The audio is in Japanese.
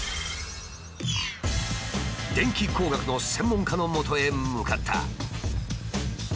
電気工学の専門家のもとへ向かった。